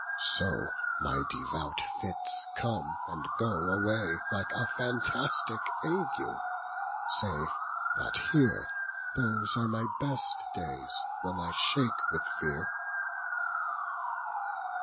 So my devout fitts come and go away Like a fantistique Ague: save that here Those are my best dayes, when I shake with feare.